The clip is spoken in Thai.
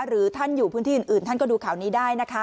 หรือท่านอยู่พื้นที่อื่นท่านก็ดูข่าวนี้ได้นะคะ